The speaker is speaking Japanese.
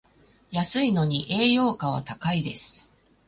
安いのに栄養価は高いです